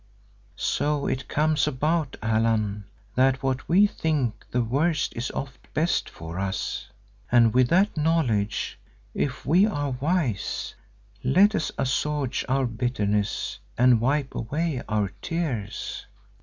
So it comes about, Allan, that what we think the worst is oft the best for us, and with that knowledge, if we are wise, let us assuage our bitterness and wipe away our tears."